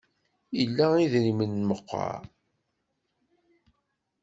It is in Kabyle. Ila idrimen meqqar?